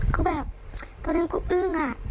กูแบบตอนนั้นกูอึ้งอ่ะ